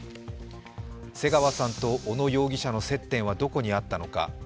瀬川さんと小野容疑者の接点はどこにあったのか。